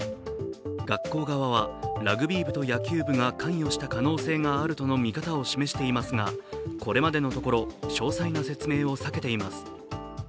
学校側は、ラグビー部と野球部が関与した可能性があるとの見方を示していますが、これまでのところ詳細な説明を避けています。